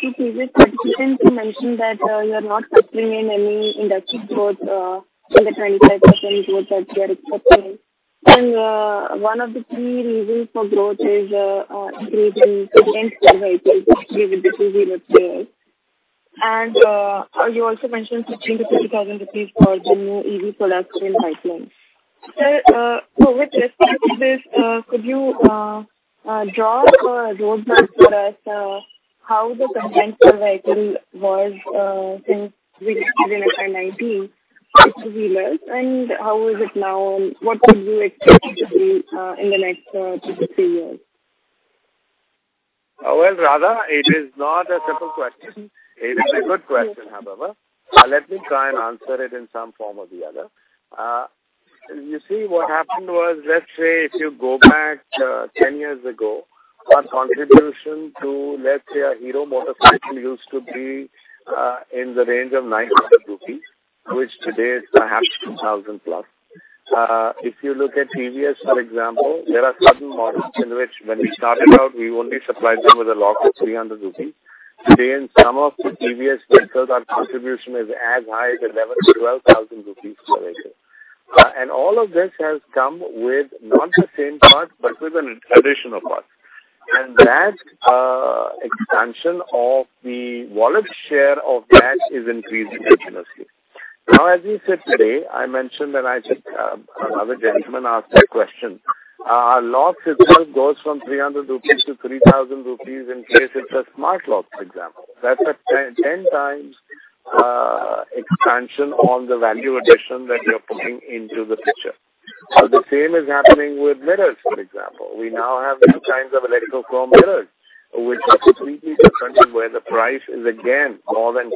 is it significant to mention that you are not factoring in any industry growth in the 25% growth that we are expecting? One of the key reasons for growth is increasing conventional vehicles, which give you the two-wheeler players. You also mentioned 15,000-50,000 rupees for the new EV products in pipeline. Sir, with respect to this, could you draw a roadmap for us, how the conventional vehicle was, since we started in 19 two-wheelers, and how is it now, and what would you expect it to be in the next 2-3 years? Well, Radha, it is not a simple question. It is a good question, however. Let me try and answer it in some form or the other. You see, what happened was, let's say, if you go back, 10 years ago, our contribution to, let's say, a Hero motorcycle used to be in the range of 900 rupees, which today is perhaps 2,000+. If you look at TVS, for example, there are certain models in which when we started out, we only supplied them with a lock of 300 rupees. Today, in some of the TVS vehicles, our contribution is as high as 11,000-12,000 rupees per vehicle. All of this has come with not the same parts, but with an addition of parts, and that expansion of the wallet share of that is increasing continuously. As we said today, I mentioned, and I think another gentleman asked that question, our lock system goes from 300-3,000 rupees in case it's a smart lock, for example. That's a 10x expansion on the value addition that you're putting into the picture. The same is happening with mirrors, for example. We now have two kinds of electrochromic mirrors, which are completely different, where the price is again more than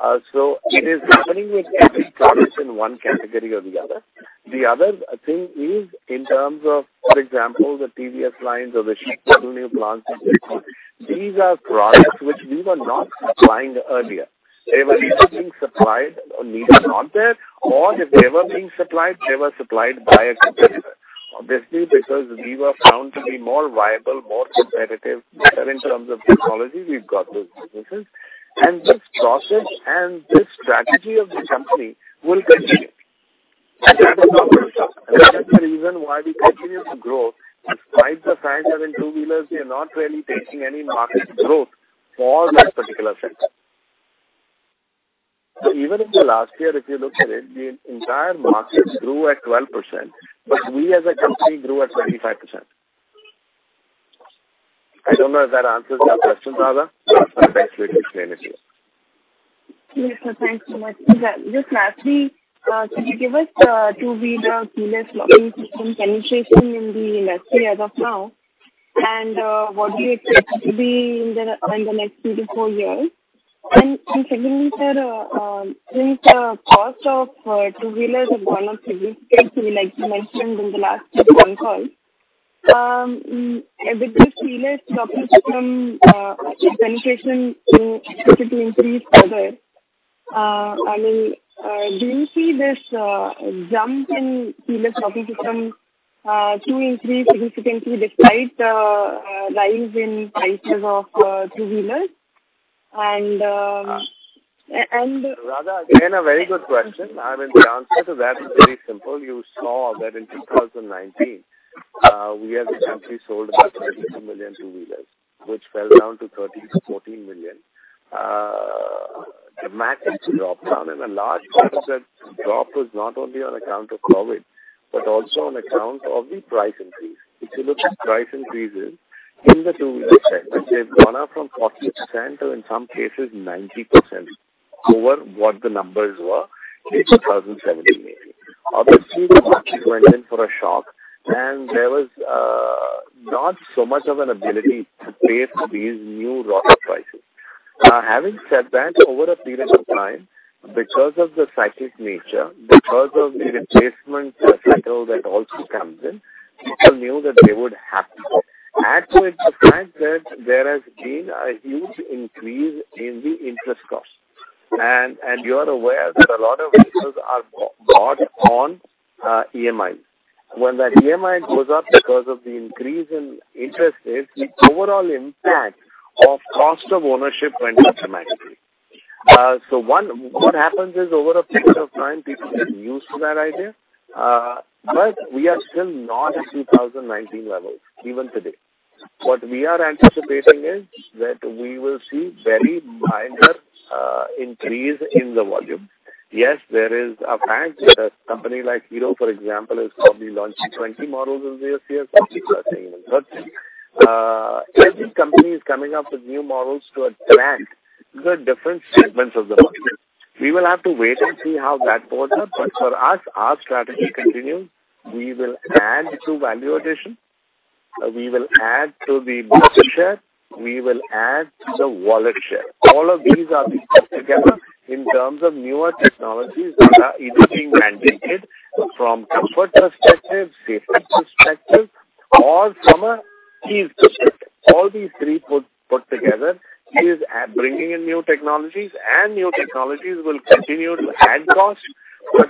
10x. It is happening with every product in one category or the other. The other thing is in terms of, for example, the TVS lines or the two new plants in, these are products which we were not supplying earlier. They were either being supplied or needed not there, or if they were being supplied, they were supplied by a competitor. Obviously, because we were found to be more viable, more competitive, better in terms of technology, we've got those businesses, and this process and this strategy of the company will continue. That is the reason why we continue to grow, despite the fact that in two-wheelers, we are not really taking any market growth for that particular segment. Even in the last year, if you look at it, the entire market grew at 12%, but we as a company grew at 25%. I don't know if that answers your question, Radha, but I tried my best way to explain it to you. Yes, sir, thanks so much. Just lastly, can you give us two-wheeler keyless locking system penetration in the industry as of now, and what do you expect it to be in the next 2-4 years? Secondly, sir, since the cost of two-wheeler have gone up significantly, like you mentioned in the last two phone calls, with this keyless locking system penetration expected to increase further, I mean, do you see this jump in keyless locking system two in three significantly, despite rise in prices of two-wheelers? Radha, again, a very good question. I mean, the answer to that is very simple. You saw that in 2019, we as a company sold about 32 million two-wheelers, which fell down to 13 million-14 million. The market dropped down, a large part of that drop was not only on account of COVID, but also on account of the price increase. If you look at price increases in the two-wheeler segment, they've gone up from 40% or in some cases, 90% over what the numbers were in 2017. Obviously, the market went in for a shock, there was not so much of an ability to pay for these new lot of prices. Having said that, over a period of time, because of the cyclic nature, because of the replacement cycle that also comes in, people knew that they would have to. Add to it the fact that there has been a huge increase in the interest cost, and you are aware that a lot of vehicles are bought on EMIs. When that EMI goes up because of the increase in interest rates, the overall impact of cost of ownership went up dramatically. What happens is, over a period of time, people get used to that idea, but we are still not at 2019 levels, even today. What we are anticipating is that we will see very minor increase in the volume. There is a fact that a company like Hero, for example, is probably launching 20 models in this year, something like that. Every company is coming up with new models to attract the different segments of the market. We will have to wait and see how that goes up. For us, our strategy continue. We will add to value addition, we will add to the market share, we will add to the wallet share. All of these are put together in terms of newer technologies that are either being mandated from comfort perspective, safety perspective, or from a key perspective. All these three put together is bringing in new technologies, new technologies will continue to add cost,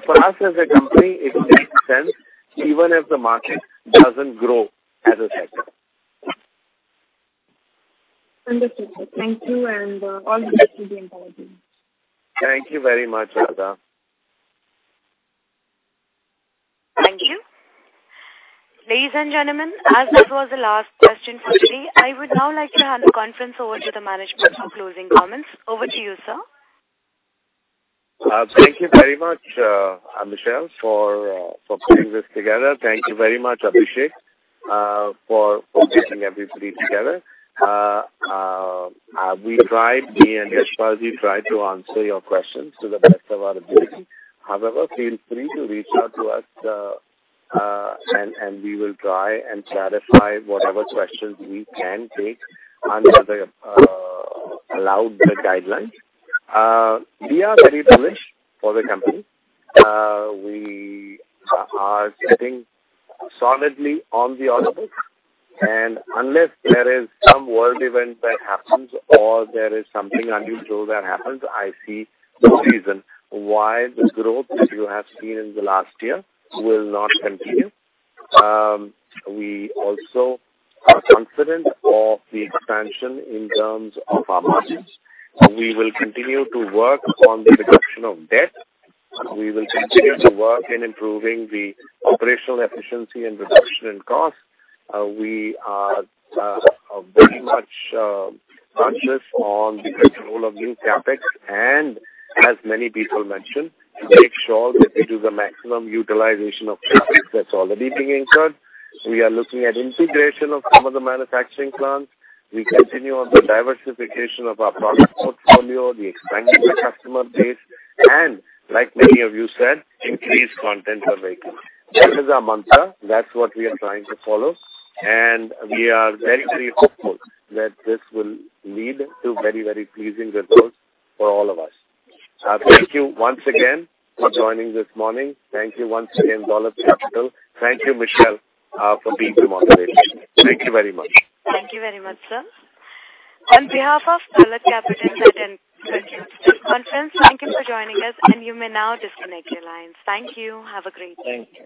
for us, as a company, it makes sense even if the market doesn't grow as a sector. Understood, sir. Thank you. All the best to the entire team. Thank you very much, Radha. Thank you. Ladies and gentlemen, as this was the last question for today, I would now like to hand the conference over to the management for closing comments. Over to you, sir. Thank you very much, Michelle, for putting this together. Thank you very much, Abhishek, for getting everybody together. Me and Yashpal Jain tried to answer your questions to the best of our ability. However, feel free to reach out to us, and we will try and clarify whatever questions we can take under the allowed guidelines. We are very bullish for the company. We are sitting solidly on the order book, and unless there is some world event that happens or there is something unusual that happens, I see no reason why the growth that you have seen in the last year will not continue. We also are confident of the expansion in terms of our margins. We will continue to work on the reduction of debt. We will continue to work in improving the operational efficiency and reduction in costs. We are very much conscious on the control of new CapEx, and as many people mentioned, make sure that we do the maximum utilization of CapEx that's already being incurred. We are looking at integration of some of the manufacturing plants. We continue on the diversification of our product portfolio, the expansion of the customer base, and like many of you said, increase content per vehicle. That is our mantra. That's what we are trying to follow, and we are very, very hopeful that this will lead to very, very pleasing results for all of us. Thank you once again for joining this morning. Thank you once again, Dolat Capital. Thank you, Michelle, for being the moderator. Thank you very much. Thank you very much, sir. On behalf of Dolat Capital and thank you. Conference, thank you for joining us. You may now disconnect your lines. Thank you. Have a great day. Thank you.